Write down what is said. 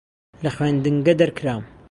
لە خوێندنگە دەرکرام.